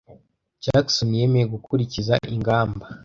Jackson yemeye gukurikiza ingamba.